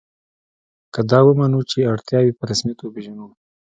که دا ومنو چې اړتیاوې په رسمیت وپېژنو.